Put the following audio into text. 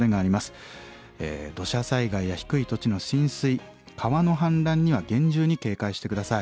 土砂災害や低い土地の浸水川の氾濫には厳重に警戒して下さい。